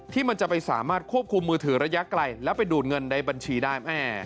มันจะไปสามารถควบคุมมือถือระยะไกลแล้วไปดูดเงินในบัญชีได้